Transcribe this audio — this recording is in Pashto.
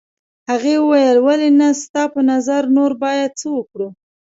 هغې وویل هو ولې نه ستا په نظر نور باید څه وکړو.